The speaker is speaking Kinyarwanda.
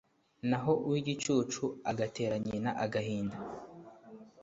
naho uw'igicucu agatera nyina agahinda